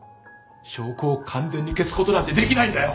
証拠を完全に消すことなんてできないんだよ！